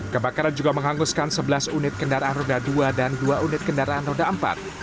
kebakaran juga menghanguskan sebelas unit kendaraan roda dua dan dua unit kendaraan roda empat